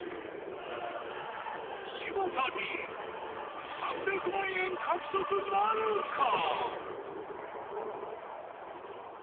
柴田理恵３００万円獲得なるか？